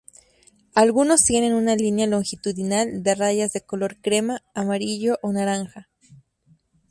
Algunos tienen una línea longitudinal de rayas de color crema, amarillo o naranja.